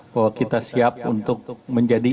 bahwa kita siap untuk menjadi